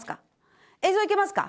映像いけますか？